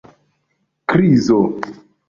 krizo